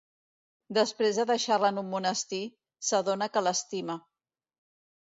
Després de deixar-la en un monestir, s'adona que l'estima.